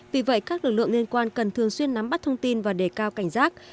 vì vậy các lực lượng liên quan cần thường xuyên nắm bắt thông tin và đề cao cảnh giác